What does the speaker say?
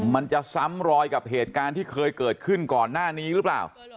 มันจะซ้ำรอยกับเหตุการณ์ที่เคยเกิดขึ้นก่อนหน้านี้หรือเปล่า